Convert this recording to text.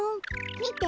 みて。